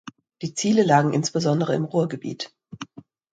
Die Ziele lagen insbesondere im Ruhrgebiet.